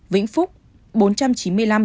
vĩnh phúc bốn trăm chín mươi năm